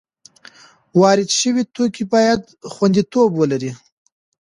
وارد شوي توکي باید خوندیتوب ولري.